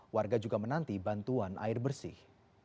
warga juga menanti bantuan air bersih